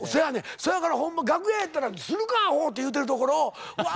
せやからほんま楽屋やったら「するかアホ！」って言うてるところをうわ